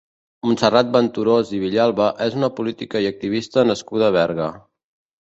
Montserrat Venturós i Villalba és una política i activista nascuda a Berga.